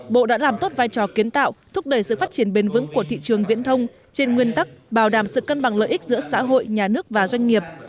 bộ đã làm tốt vai trò kiến tạo thúc đẩy sự phát triển bền vững của thị trường viễn thông trên nguyên tắc bảo đảm sự cân bằng lợi ích giữa xã hội nhà nước và doanh nghiệp